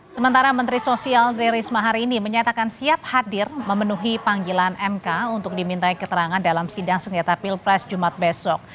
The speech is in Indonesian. sementara menteri sosial tri risma hari ini menyatakan siap hadir memenuhi panggilan mk untuk dimintai keterangan dalam sidang sengketa pilpres jumat besok